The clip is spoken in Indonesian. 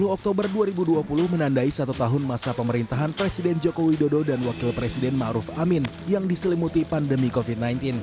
dua puluh oktober dua ribu dua puluh menandai satu tahun masa pemerintahan presiden joko widodo dan wakil presiden ⁇ maruf ⁇ amin yang diselimuti pandemi covid sembilan belas